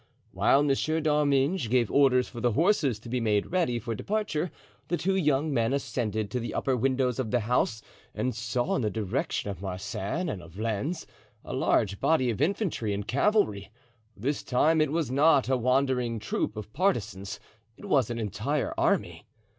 While Monsieur d'Arminges gave orders for the horses to be made ready for departure, the two young men ascended to the upper windows of the house and saw in the direction of Marsin and of Lens a large body of infantry and cavalry. This time it was not a wandering troop of partisans; it was an entire army.